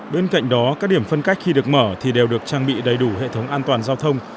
bên cạnh đó các điểm phân cách khi được mở thì đều được trang bị đầy đủ hệ thống an toàn giao thông